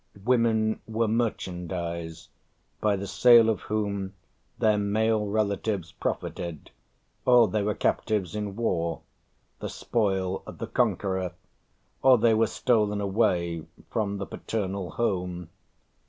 Women were merchandise, by the sale of whom their male relatives profited, or they were captives in war, the spoil of the conqueror, or they were stolen away from the paternal home.